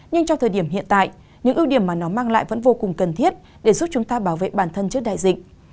nhưng cho thời điểm hiện tại những ưu điểm mà nó mang lại vẫn vô cùng cần thiết để giúp chúng ta bảo vệ bản thân trước đại dịch